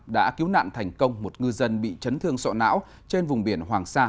đã cứu nạn thành công một ngư dân bị chấn thương sọ não trên vùng biển hoàng sa